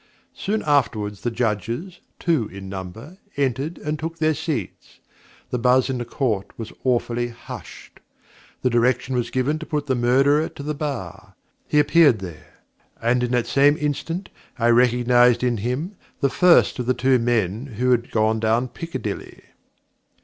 Soon afterwards the Judges, two in number, entered and took their seats. The buzz in the Court was awfully hushed. The direction was given to put the Murderer to the bar. He appeared there. And in that same instant I recognized in him, the first of the two men who had gone down Piccadilly.